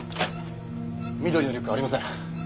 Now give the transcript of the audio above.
緑のリュックはありません。